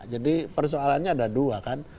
jadi persoalannya ada dua kan